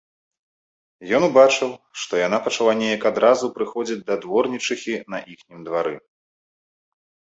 Ён убачыў, што яна пачала нейк адразу прыходзіць да дворнічыхі на іхнім двары.